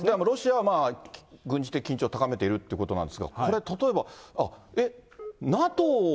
ロシアは軍事的緊張を高めているということなんですが、これ、例えば、えっ？